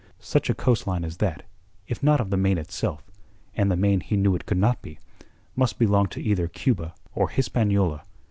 Such a coast line as that, if not of the main itself, and the main he knew it could not be, must belong to either Cuba or Hispaniola.